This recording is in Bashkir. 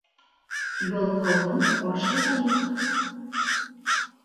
Ялҡауҙың ашы булмаҫ.